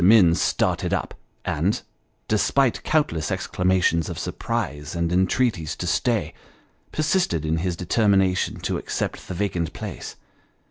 Minns started up ; and, despite countless exclamations of sur prise, and entreaties to stay, persisted in his determination to accept the vacant place.